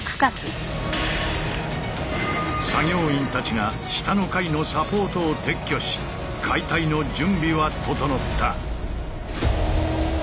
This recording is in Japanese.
作業員たちが下の階のサポートを撤去し解体の準備は整った。